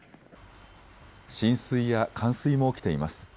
浸水や冠水も起きています。